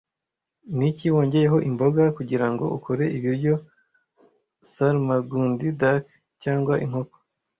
Niki wongeyeho imboga kugirango ukore ibiryo salmagundi Duck cyangwa Inkoko